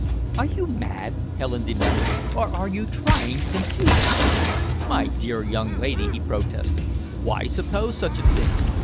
"Are you mad," Helen demanded, "or are you trying to confuse us?" "My dear young lady!" he protested. "Why suppose such a thing?